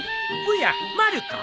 ・おやまる子。